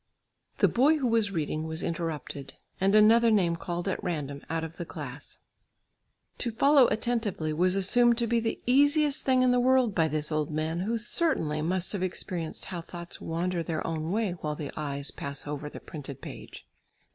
The boy who was reading was interrupted, and another name called at random out of the class. To follow attentively was assumed to be the easiest thing in the world by this old man who certainly must have experienced how thoughts wander their own way while the eyes pass over the printed page.